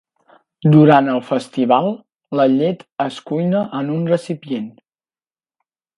Durant el festival, la llet es cuina en un recipient.